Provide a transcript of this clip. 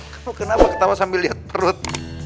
kamu kenapa ketawa sambil lihat perut